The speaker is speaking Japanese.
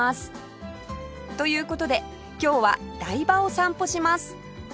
という事で今日は台場を散歩します